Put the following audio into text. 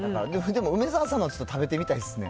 でも梅沢さんの食べてみたいですね。